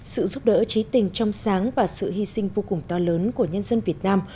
sự giúp đỡ trí tình trong sáng và sự hy sinh vô cùng to lớn của nhân dân việt nam